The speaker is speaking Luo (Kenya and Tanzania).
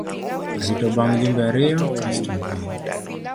Arito bang’ jumbe ariyo kasto abiro.